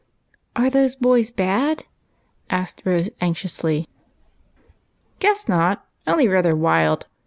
" Are those boys bad ?" asked Rose, anxiously. " Guess not, only rather wild.